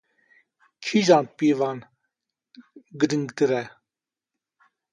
Kîjan pîvan girîngtir e?